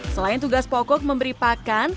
selain tugas pokok memberi pakan